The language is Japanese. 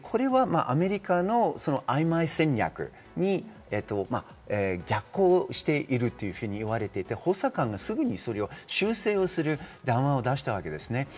アメリカの曖昧戦略に逆行しているというふうに言われていて、補佐官がすぐに修正する談話を出したわけです。